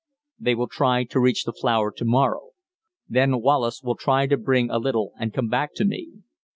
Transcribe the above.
They will try to reach the flour to morrow. Then Wallace will try to bring a little and come back to me.